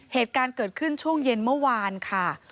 เหตุการณ์เกิดขึ้นช่วงเย็นเมื่อวานค่ะ